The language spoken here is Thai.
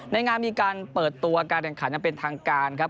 ในงานมีการเปิดตัวการแข่งขันอย่างเป็นทางการครับ